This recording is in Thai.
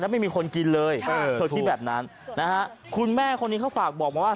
แล้วไม่มีคนกินเลยใช่เท่าที่แบบนั้นนะฮะคุณแม่คนนี้เขาฝากบอกมาว่า